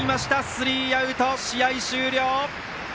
スリーアウト、試合終了。